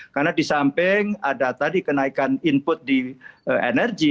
karena di samping ada tadi kenaikan input di energi